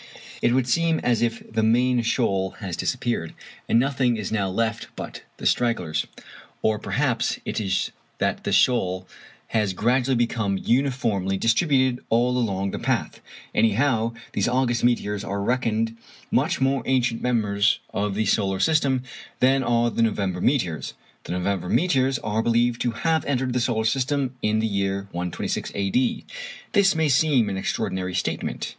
It would seem as if the main shoal has disappeared, and nothing is now left but the stragglers; or perhaps it is that the shoal has gradually become uniformly distributed all along the path. Anyhow, these August meteors are reckoned much more ancient members of the solar system than are the November meteors. The November meteors are believed to have entered the solar system in the year 126 A.D. This may seem an extraordinary statement.